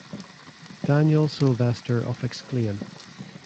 Daniel Sylvester of Exclaim!